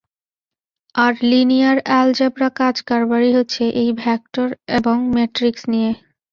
আর linear algebra কাজ কারবারই হচ্ছে এই ভেক্টর এবং ম্যাট্রিক্স নিয়ে।